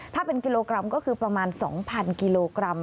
ถ้าเป็นกิโลกรัมก็คือประมาณ๒๐๐กิโลกรัม